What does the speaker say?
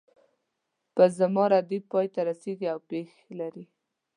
په زما ردیف پای ته رسیږي او پیښ لري.